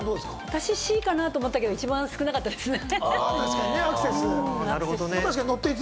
私、Ｃかなと思ったけど、一番少なかったですね。